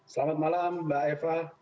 selamat malam mbak eva